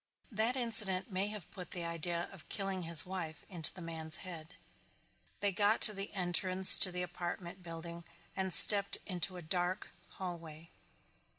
That incident may have put the idea of killing his wife into the man's head. They got to the entrance to the apartment building and stepped into a dark hallway.